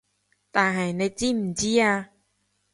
但係你知唔知啊